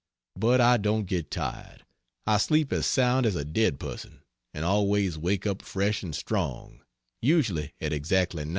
But I don't get tired; I sleep as sound as a dead person, and always wake up fresh and strong usually at exactly 9.